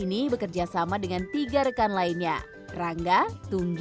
tr hey ini bekerja sama dengan tiga rekan lain rangga tunggi dan punggi